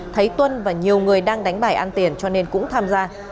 thấy tuân và nhiều người đang đánh bài ăn tiền cho nên cũng tham gia